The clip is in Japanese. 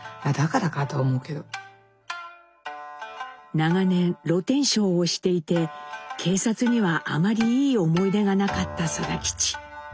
長年の露天商をしていて警察にはあまりいい思い出がなかった定吉。